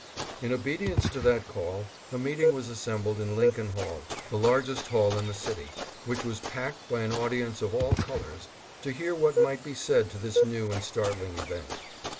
In obedience to that call a meet ing was assembled in Lincoln Hall, the largest hall in the city, which was packed by an audience of all colors, to hear what might be said to this new and startling event.